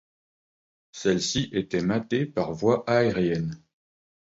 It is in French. Celle-ci est matée par voie aérienne.